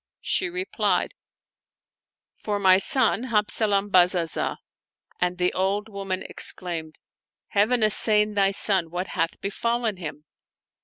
She replied, " For my son Hab zalam Bazazah "; and the old woman exclaimed, '' Heaven assain thy son! what hath befallen him?"